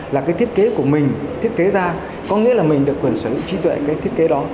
là cái thiết kế của mình thiết kế ra có nghĩa là mình được quyền sở hữu trí tuệ cái thiết kế đó